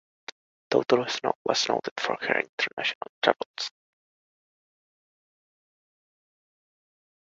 Doctor Snow was noted for her international travels.